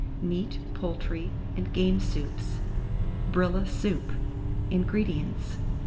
MEAT, POULTRY, AND GAME SOUPS. BRILLA SOUP. 166. INGREDIENTS.